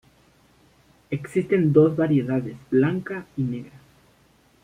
Existen dos variedades blanca y negra.